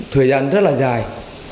thời gian rất là dài